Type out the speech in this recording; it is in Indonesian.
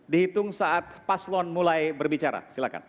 dihitung saat paslon mulai berbicara silahkan